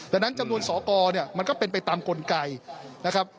ดังนั้นจำนวนสอกรเนี่ยมันก็เป็นไปตามกลไกนะครับ